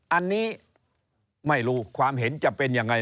อันนี้ไม่รู้ความเห็นจะเป็นยังไง